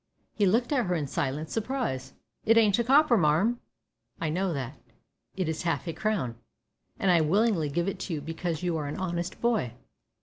He looked at her in silent surprise. "It ain't a copper, marm!" "I know that. It is half a crown, and I willingly give it you because you are an honest boy."